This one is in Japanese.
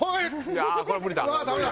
ああこれは無理だ。